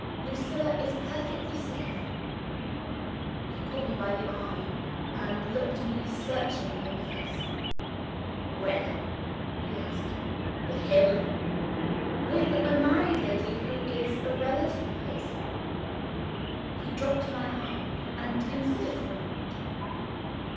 Lucilla is perfectly safe." He caught me by the arm, and looked me searchingly in the face. "Where?" he asked. "With him?" "With a married lady who is a relative of his." He dropped my arm, and considered for a moment.